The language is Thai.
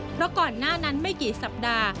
เพราะก่อนหน้านั้นไม่กี่สัปดาห์